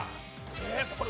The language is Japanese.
えっこれ。